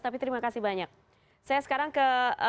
tapi terima kasih banyak saya sekarang ke